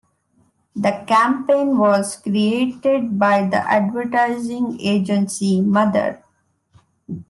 The campaign was created by the advertising agency Mother.